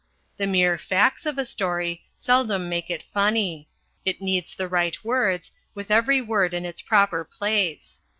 The mere "facts" of a story seldom make it funny. It needs the right words, with every word in its proper place.